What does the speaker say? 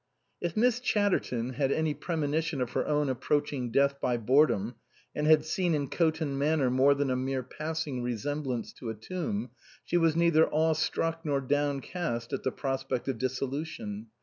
If Miss Chatterton had any premonition of her own approaching death by boredom, and had seen in Coton Manor more than a mere passing resemblance to a tomb, she was neither awe struck nor downcast at the prospect of dissolu tion.